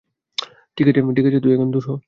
ঠিক আছে, তুই এখন দুর হ!